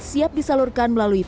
siap disalurkan melalui pbi